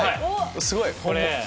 すごい。